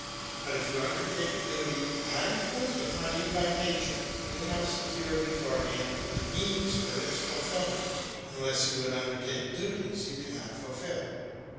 But if you undertake a duty not imposed upon you by nature, you must secure beforehand the means for its fulfilment, unless you would undertake duties you cannot fulfil.